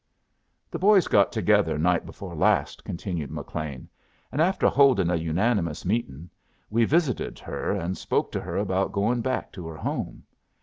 "The boys got together night before last," continued McLean, "and after holdin' a unanimous meetin', we visited her and spoke to her about goin' back to her home.